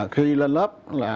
khi lên lớp